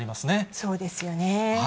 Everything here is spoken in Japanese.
そうですよね。